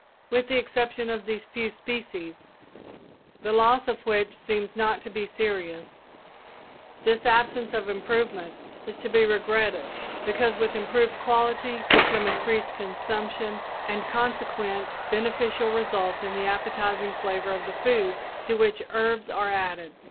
With the exception of these few species, the loss of which seems not to be serious, this absence of improvement is to be regretted, because with improved quality would come increased consumption and consequent beneficial results in the appetizing flavor of the foods to which herbs are added.